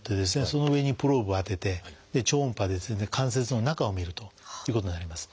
その上にプローブを当てて超音波で関節の中を見るということになります。